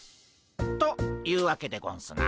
というわけでゴンスな？